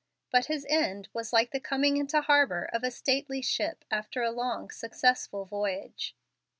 But his end was like the coming into harbor of a stately ship after a long, successful voyage.